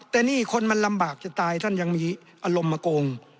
แต่นี่คนมันลำบากจะตายท่านยังมีอารมณ์มาโกง